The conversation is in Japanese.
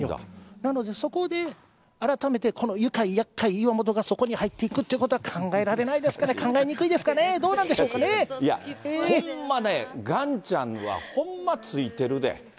なのでそこで改めてこのゆかいやっかい岩本がそこに入っていくということは、考えられないですかね、考えにくいですかね、道南でほんまね、ガンちゃんはほんまついてるで。